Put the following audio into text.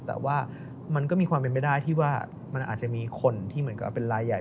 แต่ว่ามันก็มีความเป็นไปได้ที่ว่ามันอาจจะมีคนที่เหมือนกับเป็นลายใหญ่